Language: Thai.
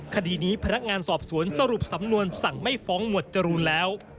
คดีนี้พนักงานสอบสวนสรุปสำนวนสั่งไม่ฟ้องหมวดจรูนแล้ว